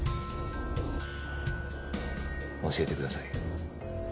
教えてください。